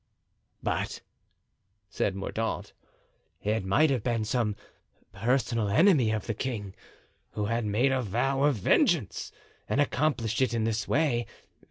"But," said Mordaunt, "it might have been some personal enemy of the king, who had made a vow of vengeance and accomplished it in this way.